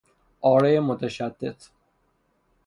آرای متشتت